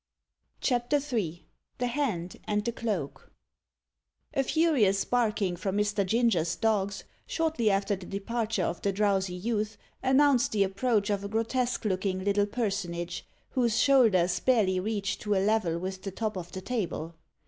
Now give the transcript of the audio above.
CHAPTER III THE HAND AND THE CLOAK A furious barking from Mr. Ginger's dogs, shortly after the departure of the drowsy youth, announced the approach of a grotesque looking little personage, whose shoulders barely reached to a level with the top of the table.